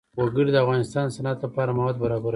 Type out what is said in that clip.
وګړي د افغانستان د صنعت لپاره مواد برابروي.